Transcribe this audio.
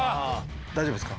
大丈夫ですか？